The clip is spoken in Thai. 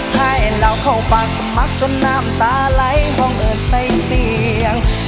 ให้เราเข้าป่าสมัครจนน้ำตาไหลห้องเดินใส่เสียง